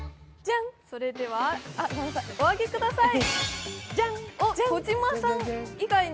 それでは、お上げください。